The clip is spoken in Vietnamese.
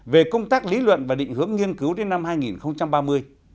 về công tác lý luận và định hướng nghiên cứu đến năm hai nghìn ba mươi